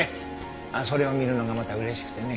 まあそれを見るのがまた嬉しくてね。